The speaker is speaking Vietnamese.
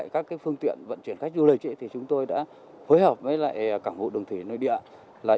các phương tiện vận chuyển khách du lịch chúng tôi đã phối hợp với cảng hộ đường thủy nơi địa